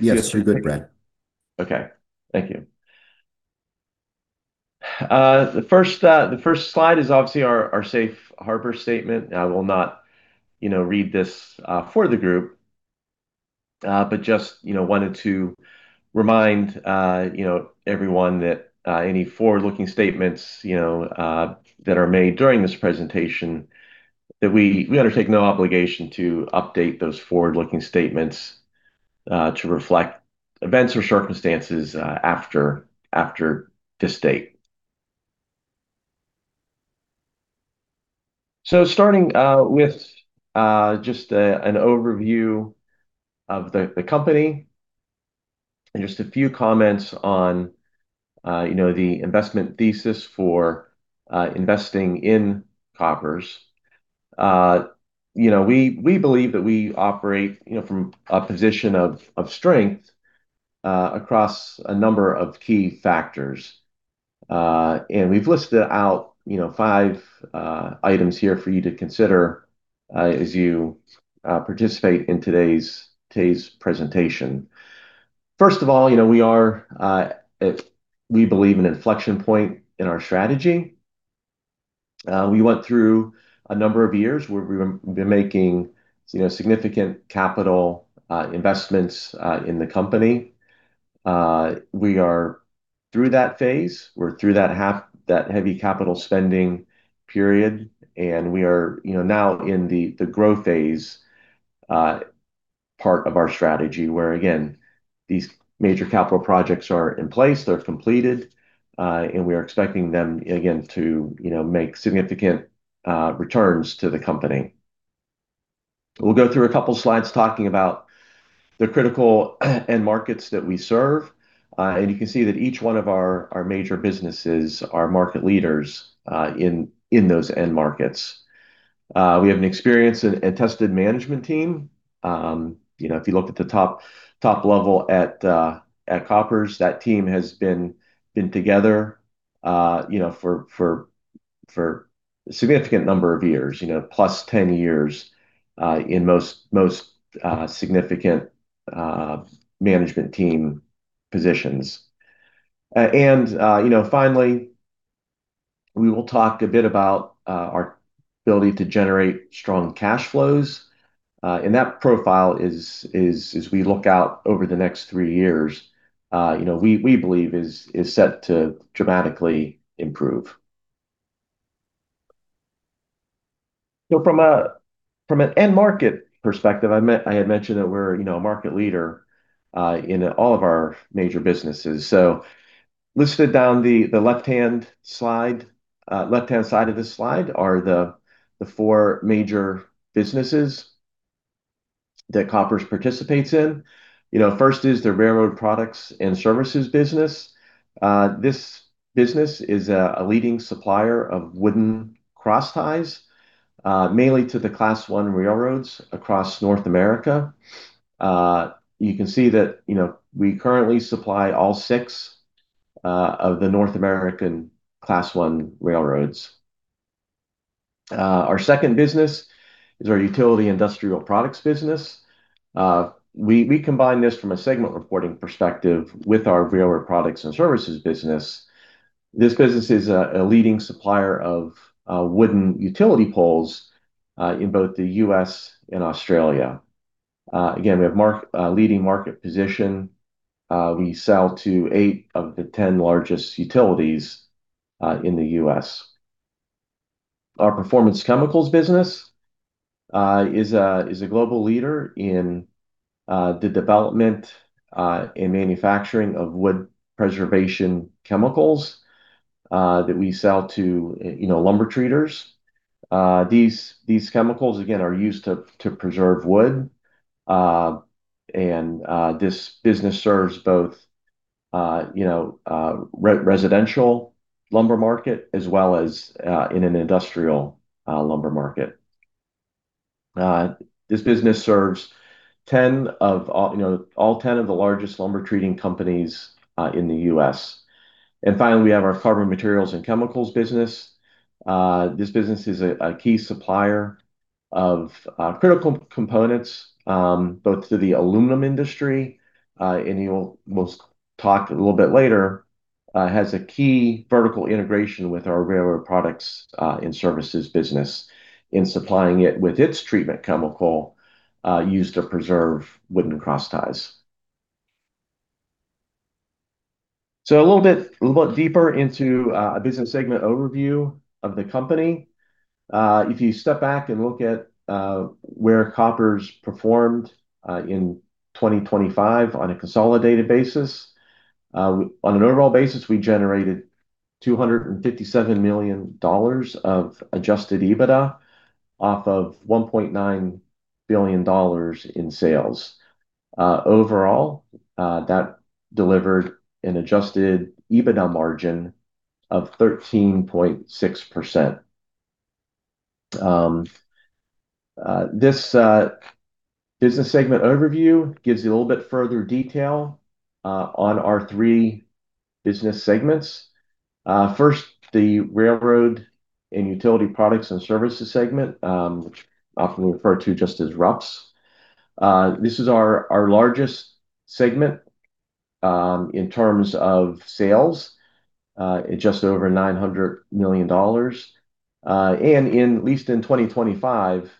Yes, you're good, Brad. Okay. Thank you. The first slide is obviously our safe harbor statement. I will not, you know, read this for the group, but just, you know, wanted to remind, you know, everyone that any forward-looking statements, you know, that are made during this presentation that we undertake no obligation to update those forward-looking statements to reflect events or circumstances after this date. Starting with just an overview of the company and just a few comments on, you know, the investment thesis for investing in Koppers. You know, we believe that we operate, you know, from a position of strength across a number of key factors. We've listed out, you know, five items here for you to consider as you participate in today's presentation. First of all, you know, we are, we believe, at an inflection point in our strategy. We went through a number of years where we've been making, you know, significant capital investments in the company. We are through that phase. We're through that heavy capital spending period, and we are, you know, now in the growth phase part of our strategy where again, these major capital projects are in place, they're completed, and we are expecting them again to, you know, make significant returns to the company. We'll go through a couple slides talking about the critical end markets that we serve. You can see that each one of our major businesses are market leaders in those end markets. We have an experienced and tested management team. You know, if you look at the top level at Koppers, that team has been together, you know, for a significant number of years, you know, plus 10 years in most significant management team positions. You know, finally, we will talk a bit about our ability to generate strong cash flows. That profile is as we look out over the next three years, you know, we believe is set to dramatically improve. You know, from an end market perspective, I had mentioned that we're, you know, a market leader in all of our major businesses. Listed down the left-hand side of this slide are the four major businesses that Koppers participates in. You know, first is the railroad products and services business. This business is a leading supplier of wooden cross ties, mainly to the Class I railroads across North America. You can see that, you know, we currently supply all six of the North American Class I railroads. Our second business is our utility industrial products business. We combine this from a segment reporting perspective with our railroad products and services business. This business is a leading supplier of wooden utility poles in both the U.S. and Australia. Again, we have leading market position. We sell to eight of the ten largest utilities in the U.S. Our Performance Chemicals business is a global leader in the development and manufacturing of wood preservation chemicals that we sell to, you know, lumber treaters. These chemicals again are used to preserve wood. This business serves both, you know, residential lumber market as well as in an industrial lumber market. This business serves, you know, all ten of the largest lumber treating companies in the U.S. Finally, we have our Carbon Materials and Chemicals business. This business is a key supplier of critical components both to the aluminum industry, and we'll talk a little bit later, has a key vertical integration with our railroad products and services business in supplying it with its treatment chemical used to preserve wooden cross ties. A little deeper into a business segment overview of the company. If you step back and look at where Koppers performed in 2025 on a consolidated basis. On an overall basis, we generated $257 million of adjusted EBITDA off of $1.9 billion in sales. Overall, that delivered an adjusted EBITDA margin of 13.6%. This business segment overview gives you a little further detail on our three business segments. First, the Railroad and Utility Products and Services segment, which often we refer to just as RUPS. This is our largest segment in terms of sales. Just over $900 million. And at least in 2025,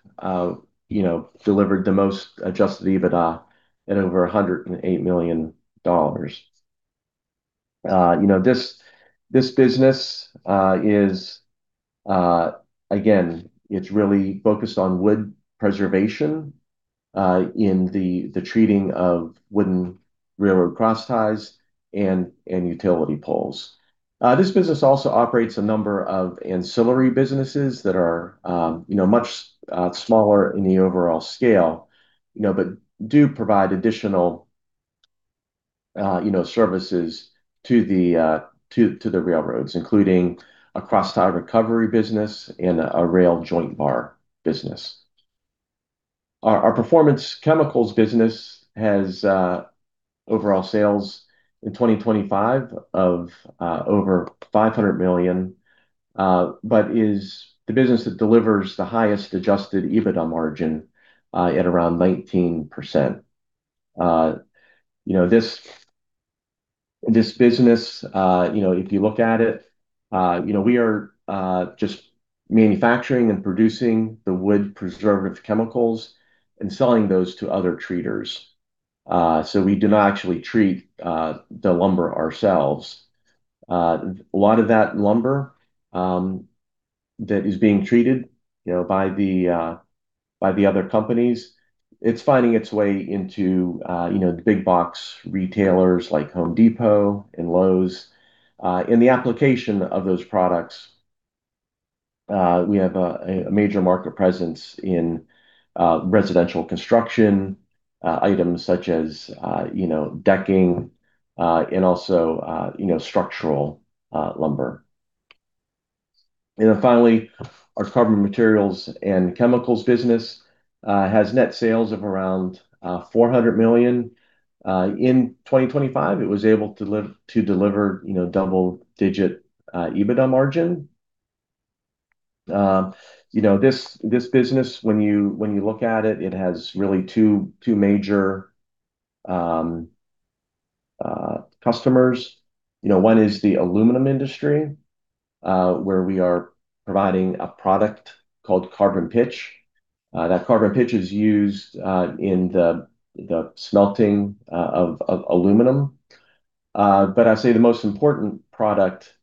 you know, delivered the most adjusted EBITDA at over $108 million. You know, this business is again really focused on wood preservation in the treating of wooden railroad cross ties and utility poles. This business also operates a number of ancillary businesses that are, you know, much smaller in the overall scale, you know, but do provide additional, you know, services to the railroads, including a cross tie recovery business and a rail joint bar business. Our Performance Chemicals business has overall sales in 2025 of over $500 million, but is the business that delivers the highest adjusted EBITDA margin at around 19%. You know, this business, you know, if you look at it, you know, we are just manufacturing and producing the wood preservative chemicals and selling those to other treaters. We do not actually treat the lumber ourselves. A lot of that lumber that is being treated, you know, by the other companies, it's finding its way into you know, the big box retailers like Home Depot and Lowe's. In the application of those products, we have a major market presence in residential construction, items such as you know, decking and also you know, structural lumber. Finally, our Carbon Materials and Chemicals business has net sales of around $400 million. In 2025, it was able to deliver you know, double-digit EBITDA margin. You know, this business, when you look at it has really two major customers. You know, one is the aluminum industry, where we are providing a product called carbon pitch. That carbon pitch is used in the smelting of aluminum. I'd say the most important product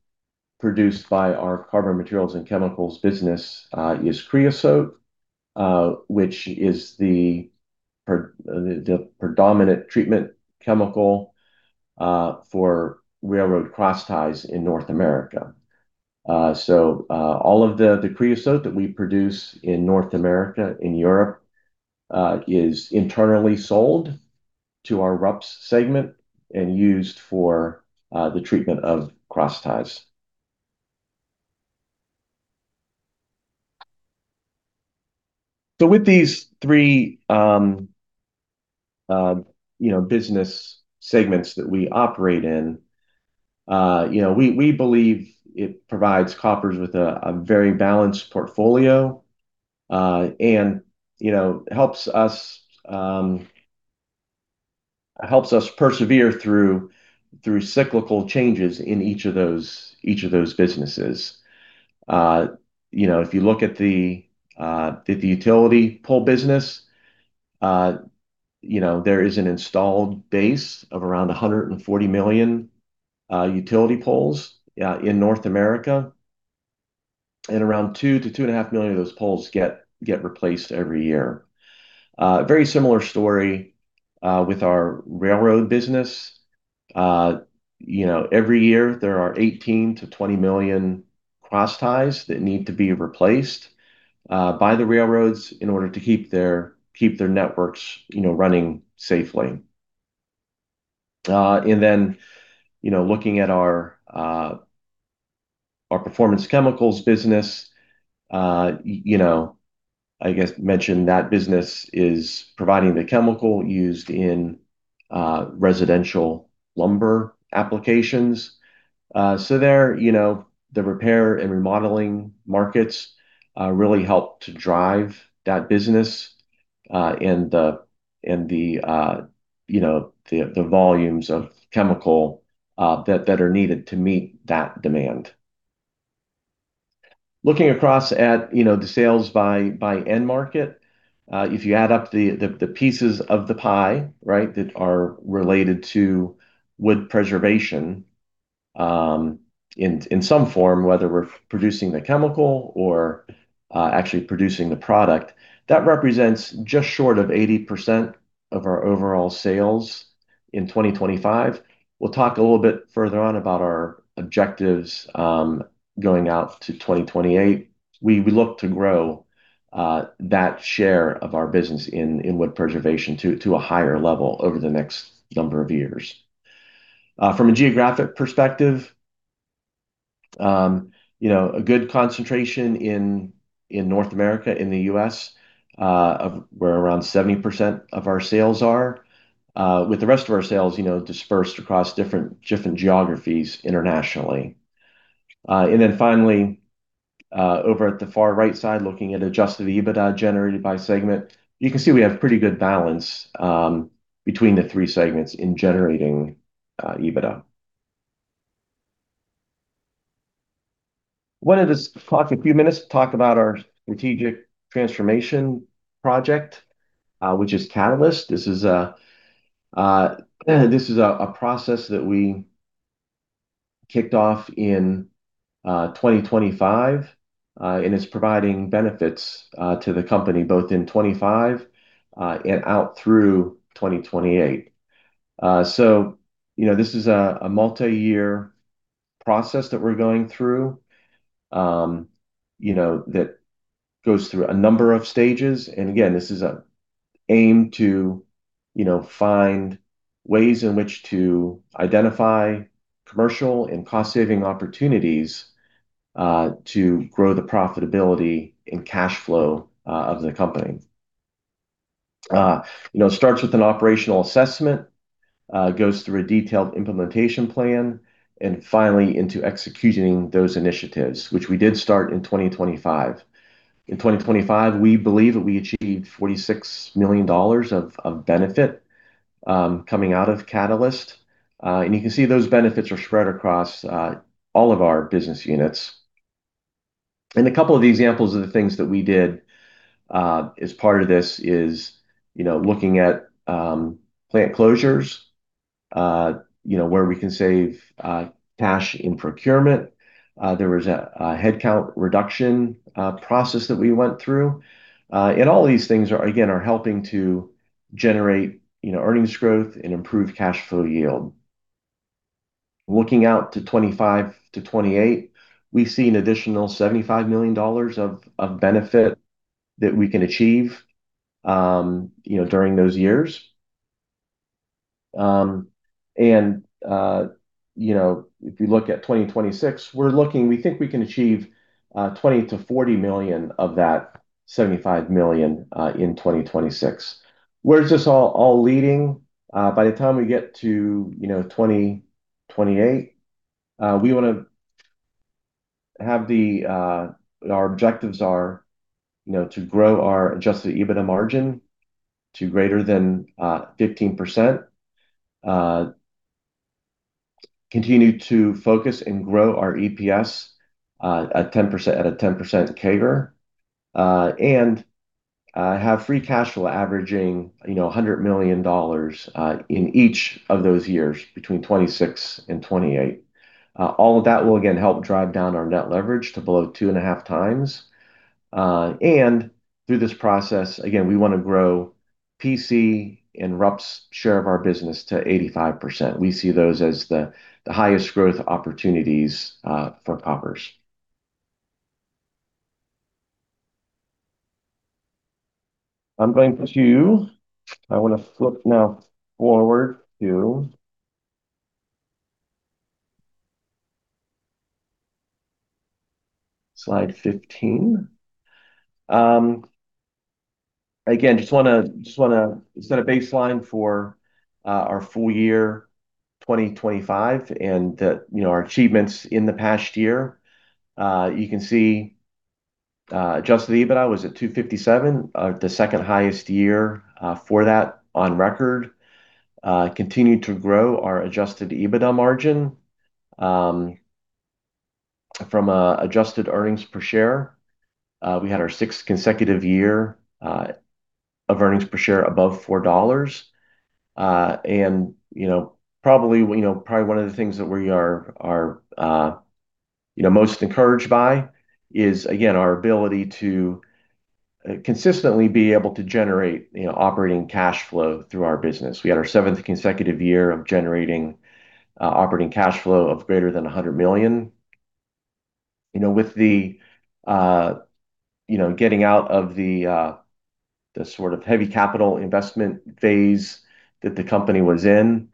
produced by our Carbon Materials and Chemicals business is creosote, which is the predominant treatment chemical for railroad cross ties in North America. All of the creosote that we produce in North America, in Europe, is internally sold to our RUPS segment and used for the treatment of cross ties. With these three, you know, business segments that we operate in, you know, we believe it provides Koppers with a very balanced portfolio, and you know, helps us persevere through cyclical changes in each of those businesses. You know, if you look at the utility pole business, you know, there is an installed base of around 140 million utility poles in North America, and around 2 million-2.5 million of those poles get replaced every year. Very similar story with our railroad business. You know, every year, there are 18 million-20 million cross ties that need to be replaced by the railroads in order to keep their networks, you know, running safely. You know, looking at our Performance Chemicals business, you know, I guess mention that business is providing the chemical used in residential lumber applications. you know, the repair and remodeling markets really help to drive that business, and the volumes of chemical that are needed to meet that demand. Looking across at, you know, the sales by end market, if you add up the pieces of the pie, right, that are related to wood preservation in some form, whether we're producing the chemical or actually producing the product, that represents just short of 80% of our overall sales in 2025. We'll talk a little bit further on about our objectives going out to 2028. We look to grow that share of our business in wood preservation to a higher level over the next number of years. From a geographic perspective, you know, a good concentration in North America, in the U.S., of where around 70% of our sales are, with the rest of our sales, you know, dispersed across different geographies internationally. Finally, over at the far right side, looking at adjusted EBITDA generated by segment. You can see we have pretty good balance between the three segments in generating EBITDA. Wanted to talk a few minutes about our strategic transformation project, which is Catalyst. This is a process that we kicked off in 2025, and it's providing benefits to the company both in 2025 and out through 2028. you know, this is a multi-year process that we're going through, you know, that goes through a number of stages. Again, this is an aim to, you know, find ways in which to identify commercial and cost-saving opportunities, to grow the profitability and cash flow, of the company. you know, it starts with an operational assessment, goes through a detailed implementation plan, and finally into executing those initiatives, which we did start in 2025. In 2025, we believe that we achieved $46 million of benefit, coming out of Catalyst. you can see those benefits are spread across, all of our business units. A couple of the examples of the things that we did, as part of this is, you know, looking at, plant closures, you know, where we can save, cash in procurement. There was a headcount reduction process that we went through. All these things are, again, helping to generate, you know, earnings growth and improve cash flow yield. Looking out to 2025-2028, we see an additional $75 million of benefit that we can achieve, you know, during those years. If you look at 2026, we think we can achieve, $20 million-$40 million of that $75 million, in 2026. Where is this all leading? By the time we get to, you know, 2028, we wanna have the, Our objectives are, you know, to grow our adjusted EBITDA margin to greater than 15%, continue to focus and grow our EPS at 10%, at a 10% CAGR, and have free cash flow averaging, you know, $100 million in each of those years between 2026 and 2028. All of that will again help drive down our net leverage to below 2.5x. Through this process, again, we wanna grow PC and RUPS share of our business to 85%. We see those as the highest growth opportunities for Koppers. I wanna flip now forward to slide 15. Again, just wanna set a baseline for our full year 2025 and, you know, our achievements in the past year. You can see, adjusted EBITDA was at $257 million, the second highest year for that on record. Continued to grow our adjusted EBITDA margin from adjusted earnings per share. We had our sixth consecutive year of earnings per share above $4. You know, probably one of the things that we are most encouraged by is, again, our ability to consistently be able to generate, you know, operating cash flow through our business. We had our seventh consecutive year of generating operating cash flow of greater than $100 million. You know, with you know, getting out of the sort of heavy capital investment phase that the company was in,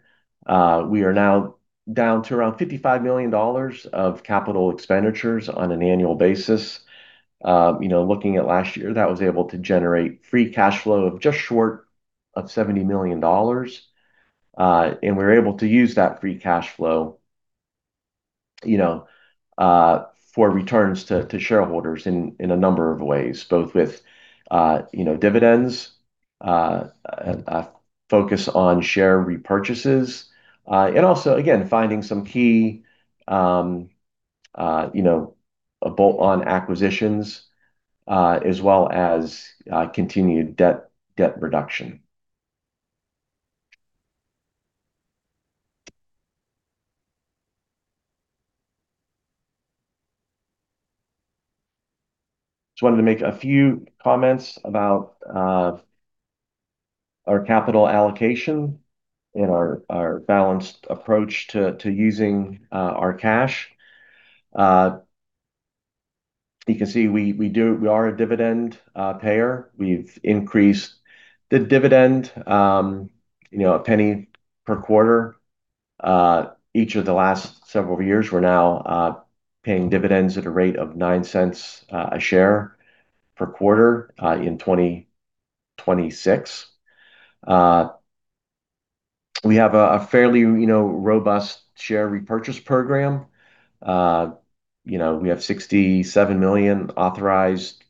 we are now down to around $55 million of capital expenditures on an annual basis. You know, looking at last year, that was able to generate free cash flow of just short of $70 million. We're able to use that free cash flow, you know, for returns to shareholders in a number of ways, both with you know, dividends, a focus on share repurchases, and also again, finding some key you know, bolt-on acquisitions, as well as continued debt reduction. Just wanted to make a few comments about our capital allocation and our balanced approach to using our cash. You can see we are a dividend payer. We've increased the dividend, you know, $0.01 per quarter each of the last several years. We're now paying dividends at a rate of $0.09 a share per quarter in 2026. You know, we have a fairly robust share repurchase program. You know, we have 67 million authorized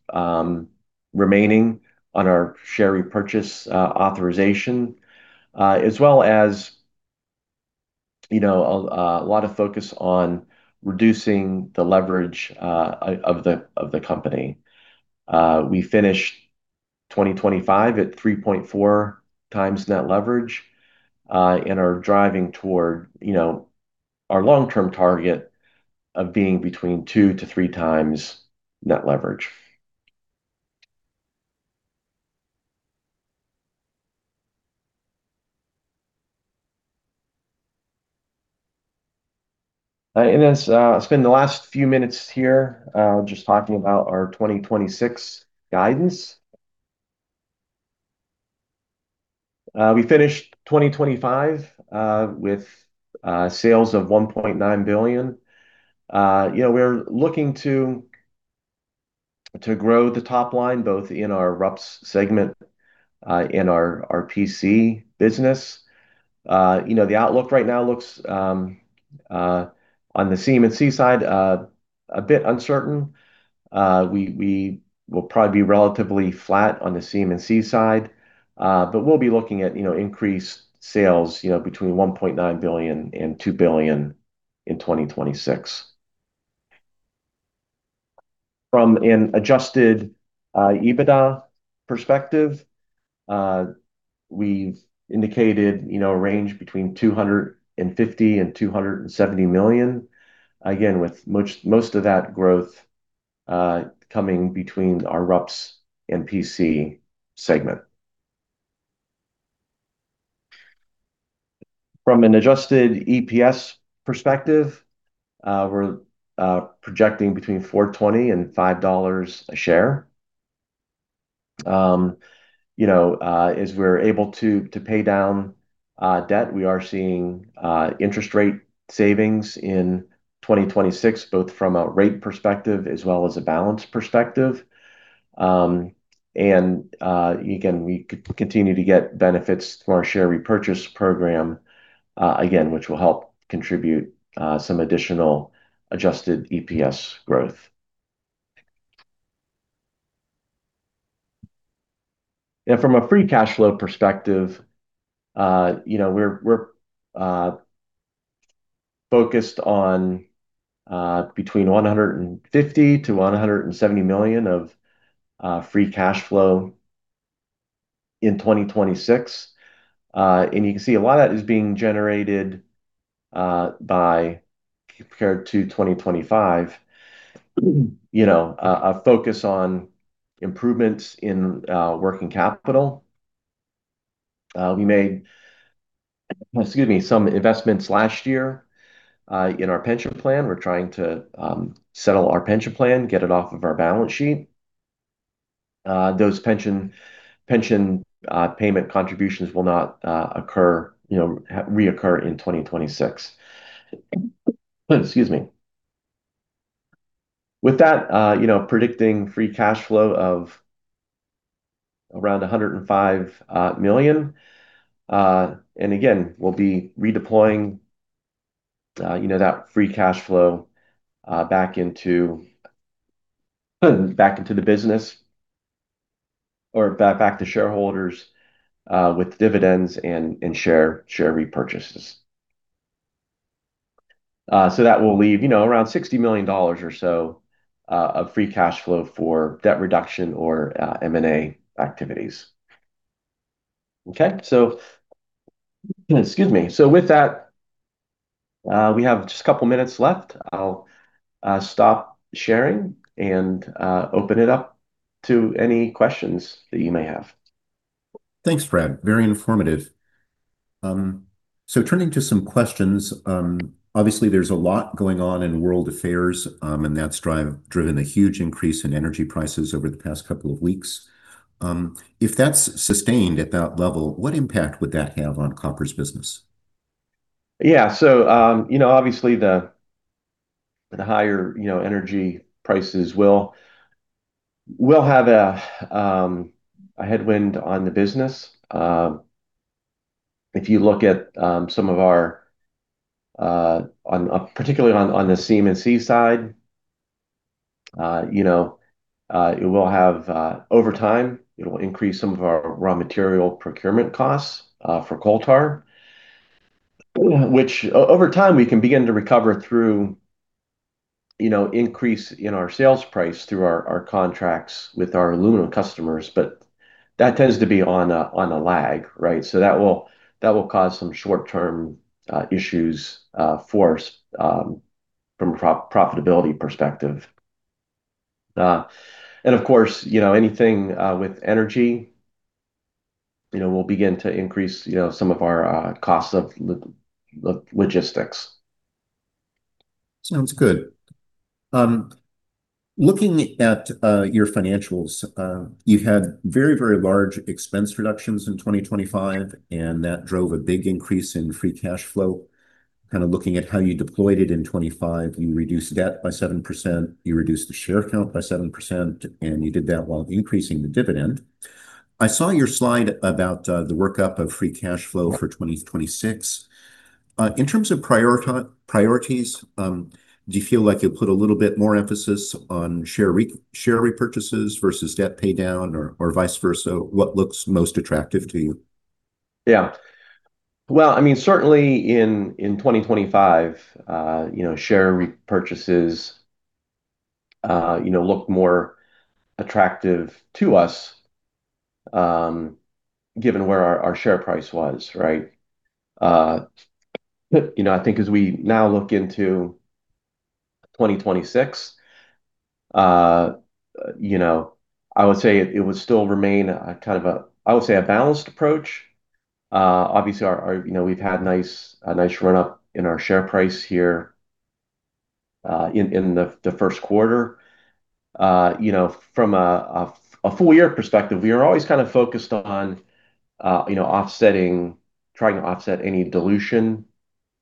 remaining on our share repurchase authorization, as well as you know a lot of focus on reducing the leverage of the company. We finished 2025 at 3.4x net leverage, and are driving toward you know our long-term target of being between 2x-3x net leverage. Let's spend the last few minutes here just talking about our 2026 guidance. We finished 2025 with sales of $1.9 billion. You know, we're looking to grow the top line, both in our RUPS segment and in our PC business. You know, the outlook right now looks on the CMC side a bit uncertain. We will probably be relatively flat on the CMC side, but we'll be looking at increased sales, you know, between $1.9 billion and $2 billion in 2026. From an adjusted EBITDA perspective, we've indicated a range between $250 million and $270 million. Again, with most of that growth coming between our RUPS and PC segment. From an adjusted EPS perspective, we're projecting between $4.20 and $5 a share. you know, as we're able to pay down debt, we are seeing interest rate savings in 2026, both from a rate perspective as well as a balance perspective. Again, we continue to get benefits from our share repurchase program, again, which will help contribute some additional adjusted EPS growth. From a free cash flow perspective, we're focused on between $150 million-$170 million of free cash flow in 2026. You can see a lot of that is being generated by, compared to 2025, a focus on improvements in working capital. We made, excuse me, some investments last year in our pension plan. We're trying to settle our pension plan, get it off of our balance sheet. Those pension payment contributions will not reoccur in 2026. Excuse me. With that, you know, predicting free cash flow of around $105 million. Again, we'll be redeploying, you know, that free cash flow back into the business or back to shareholders with dividends and share repurchases. That will leave, you know, around $60 million or so of free cash flow for debt reduction or M&A activities. Okay. Excuse me. With that, we have just a couple of minutes left. I'll stop sharing and open it up to any questions that you may have. Thanks, Brad. Very informative. Turning to some questions, obviously, there's a lot going on in world affairs, and that's driven a huge increase in energy prices over the past couple of weeks. If that's sustained at that level, what impact would that have on Koppers business? Yeah. You know, obviously the higher, you know, energy prices will have a headwind on the business. If you look at some of our, particularly on the CMC side, you know, it will have, over time, it will increase some of our raw material procurement costs for coal tar, which over time, we can begin to recover through, you know, increase in our sales price through our contracts with our aluminum customers. But that tends to be on a lag, right? That will cause some short-term issues for us from a profitability perspective. Of course, you know, anything with energy. You know, we'll begin to increase, you know, some of our costs of logistics. Sounds good. Looking at your financials, you had very, very large expense reductions in 2025, and that drove a big increase in free cash flow. Kinda looking at how you deployed it in 2025, you reduced debt by 7%, you reduced the share count by 7%, and you did that while increasing the dividend. I saw your slide about the workup of free cash flow for 2026. In terms of priorities, do you feel like you'll put a little bit more emphasis on share repurchases versus debt pay down or vice versa? What looks most attractive to you? Yeah. Well, I mean, certainly in 2025, you know, share repurchases, you know, looked more attractive to us, given where our share price was, right? You know, I think as we now look into 2026, you know, I would say it would still remain a kind of balanced approach. Obviously our. You know, we've had a nice run up in our share price here, in the first quarter. You know, from a full year perspective, we are always kind of focused on, you know, offsetting, trying to offset any dilution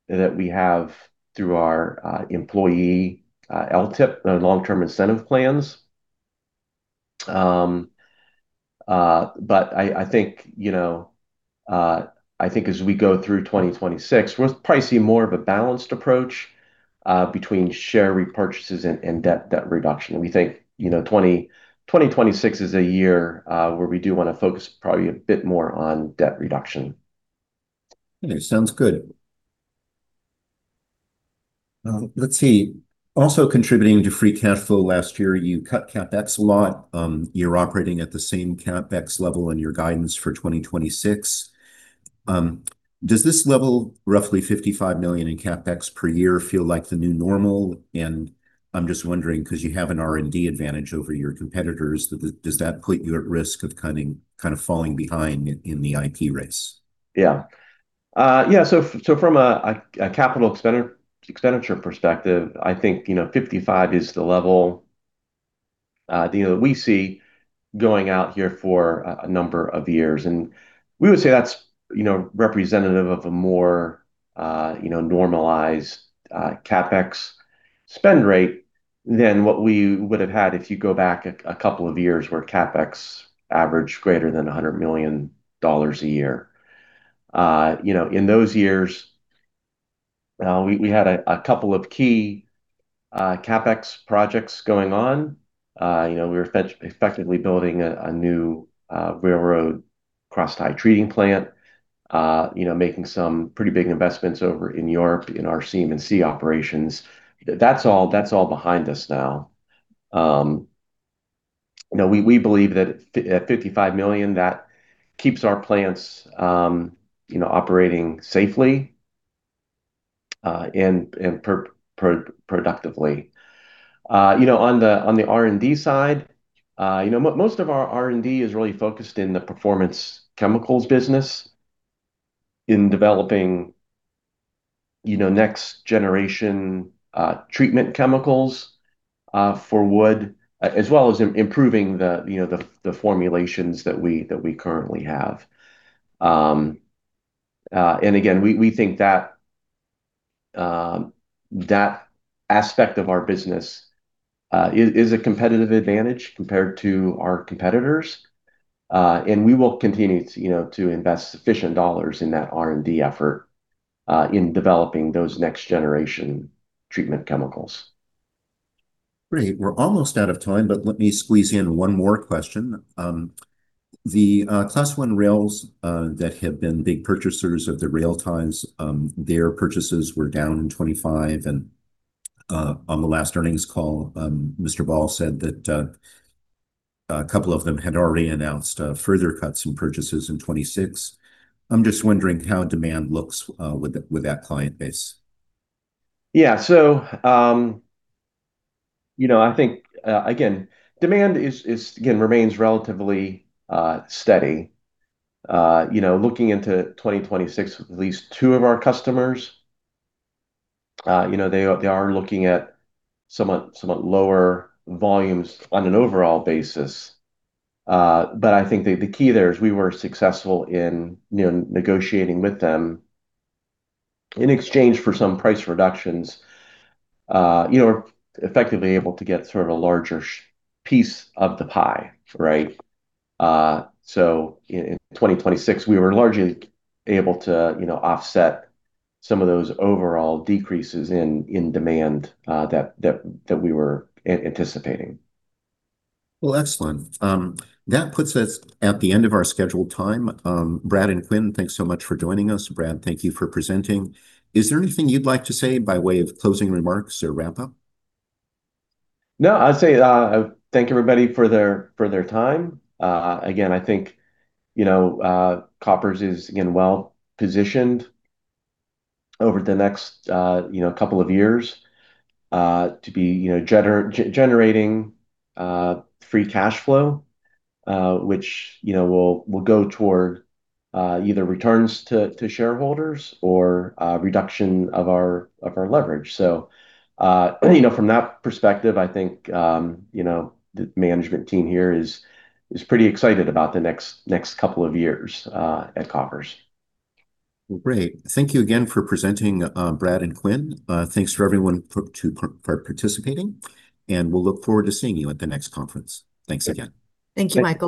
that we have through our employee LTIP Long-Term Incentive Plans. I think you know as we go through 2026, we'll probably see more of a balanced approach between share repurchases and debt reduction. We think you know 2026 is a year where we do wanna focus probably a bit more on debt reduction. Okay. Sounds good. Let's see. Also contributing to free cash flow last year, you cut CapEx a lot. You're operating at the same CapEx level in your guidance for 2026. Does this level, roughly $55 million in CapEx per year, feel like the new normal? I'm just wondering, 'cause you have an R&D advantage over your competitors, does that put you at risk of kind of falling behind in the IT race? From a capital expenditure perspective, I think, you know, $55 million is the level, you know, we see going out here for a number of years. We would say that's, you know, representative of a more, you know, normalized CapEx spend rate than what we would've had if you go back a couple of years where CapEx averaged greater than $100 million a year. You know, in those years, we had a couple of key CapEx projects going on. You know, we were effectively building a new railroad cross tie treating plant, you know, making some pretty big investments over in Europe in our CMC operations. That's all behind us now. We believe that at $55 million, that keeps our plants operating safely and productively. On the R&D side, most of our R&D is really focused in the Performance Chemicals business in developing next generation treatment chemicals for wood, as well as improving the formulations that we currently have. We think that aspect of our business is a competitive advantage compared to our competitors. We will continue to invest sufficient dollars in that R&D effort in developing those next generation treatment chemicals. Great. We're almost out of time, but let me squeeze in one more question. The Class I railroads that have been big purchasers of the railroad ties, their purchases were down in 2025. On the last earnings call, Leroy Ball said that a couple of them had already announced further cuts in purchases in 2026. I'm just wondering how demand looks with that client base. Yeah. I think again, demand is again remains relatively steady. You know, looking into 2026, at least two of our customers, you know, they are looking at somewhat lower volumes on an overall basis. I think the key there is we were successful in, you know, negotiating with them in exchange for some price reductions, you know, effectively able to get sort of a larger piece of the pie, right? In 2026, we were largely able to, you know, offset some of those overall decreases in demand that we were anticipating. Well, excellent. That puts us at the end of our scheduled time. Brad and Quynh, thanks so much for joining us. Brad, thank you for presenting. Is there anything you'd like to say by way of closing remarks or wrap-up? No, I'd say thank everybody for their time. Again, I think, you know, Koppers is again well positioned over the next, you know, couple of years to be, you know, generating free cash flow, which, you know, will go toward either returns to shareholders or reduction of our leverage. You know, from that perspective, I think, you know, the management team here is pretty excited about the next couple of years at Koppers. Great. Thank you again for presenting, Brad and Quynh. Thanks for participating, and we'll look forward to seeing you at the next conference. Thanks again. Thank you, Michael.